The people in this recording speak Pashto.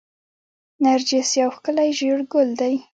نرجس یو ښکلی ژیړ ګل دی